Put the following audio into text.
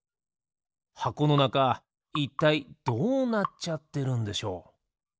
はこのなかいったいどうなっちゃってるんでしょう？